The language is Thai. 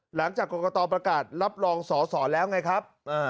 หลังจากกรกตประกาศรับรองสอสอแล้วไงครับ